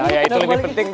ya itu lebih penting